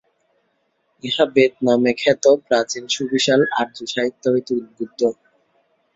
ইহা বেদ নামে খ্যাত প্রাচীন সুবিশাল আর্য-সাহিত্য হইতে উদ্ভূত।